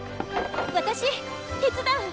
私手伝う！